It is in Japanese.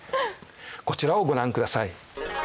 こちらをご覧ください。